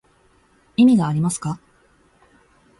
意味がありますか